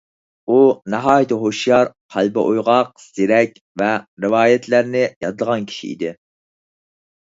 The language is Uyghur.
ئۇ ناھايىتى ھوشيار، قەلبى ئويغاق، زېرەك ۋە رىۋايەتلەرنى يادلىغان كىشى ئىدى.